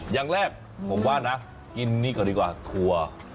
อย่างแรกผมว่านะกินนี่ก่อนดีกว่าถั่ว